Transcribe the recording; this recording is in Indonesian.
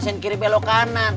sengkiri belok kanan